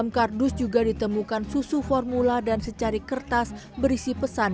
kardus juga ditemukan susu formula dan secari kertas berisi pesan